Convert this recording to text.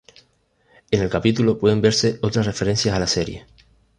En el capítulo pueden verse otras referencias a la serie.